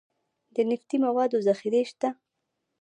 د نفتي موادو ذخیرې شته